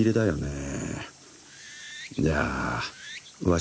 「え？」。